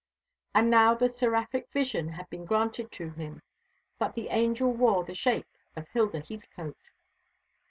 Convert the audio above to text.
And now the seraphic vision had been granted to him; but the angel wore the shape of Hilda Heathcote.